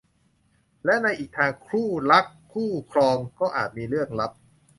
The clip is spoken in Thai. และในอีกทางคู่รักคู่ครองก็อาจมีเรื่องลับ